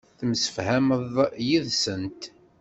Temsefhameḍ yid-sent.